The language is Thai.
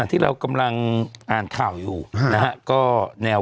โทษทีน้องโทษทีน้อง